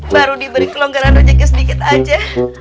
baru diberi ke lo gara dua jaga sedikit aja